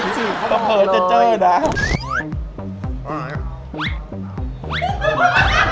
สิบเกิดเจ็ดเจอดนะ